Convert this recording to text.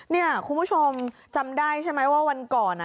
เนี่ยคุณผู้ชมจำได้ใช่ไหมว่าวันก่อน